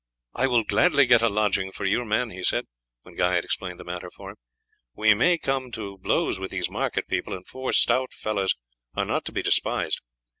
"I will gladly get a lodging for your men," he said, when Guy had explained the matter to him. "We may come to blows with these market people, and four stout fellows are not to be despised.